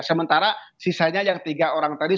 sementara sisanya yang tiga orang tadi